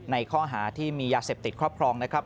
ในข้อหาที่มียาเสพติดครอบครองนะครับ